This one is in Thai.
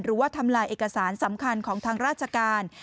หรือว่าทำลายเอกสารสำคัญของทางราชการ